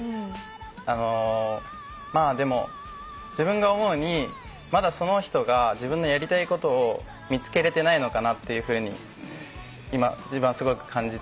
あのまあでも自分が思うにまだその人が自分のやりたいことを見つけれてないのかなっていうふうに今すごく感じて。